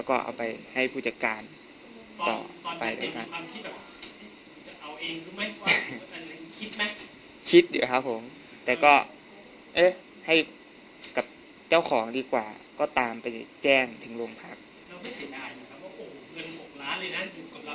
คิดอยู่ครับผมแต่ก็ให้กับเจ้าของดีกว่าก็ตามไปแจ้งถึงโรงพักษณ์